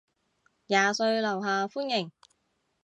廿歲樓下歡迎